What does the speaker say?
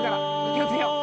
気を付けよう。